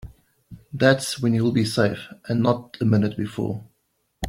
That's when he'll be safe and not a minute before.